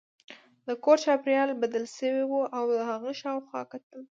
د کور چاپیریال بدل شوی و او هغه شاوخوا کتل